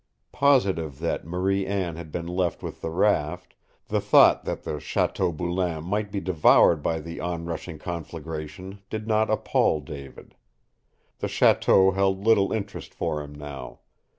Positive that Marie Anne had been left with the raft, the thought that the Chateau Boulain might be devoured by the onrushing conflagration did not appal David. The chateau held little interest for him now.